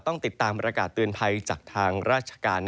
ต้องติดตามประกาศเตือนภัยจากทางราชการ